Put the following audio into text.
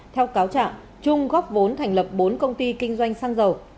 theo cáo trạng trung góp vốn thành lập bốn công ty kinh doanh xăng dầu